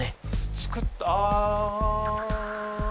作ったあ。